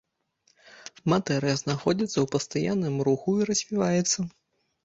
Матэрыя знаходзіцца ў пастаянным руху і развіваецца.